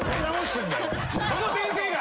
その先生が！